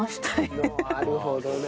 なるほどな。